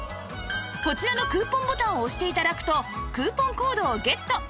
こちらのクーポンボタンを押して頂くとクーポンコードをゲット